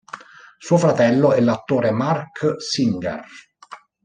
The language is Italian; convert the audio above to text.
Suo fratello è l'attore Marc Singer.